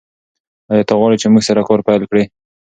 ایا ته غواړې چې موږ سره کار پیل کړې؟